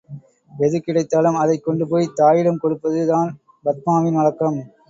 எது கிடைத்தாலும் அதைக் கொண்டு போய் தாயிடம் கொடுப்பது தான் பத்மாவின் வழக்கம்.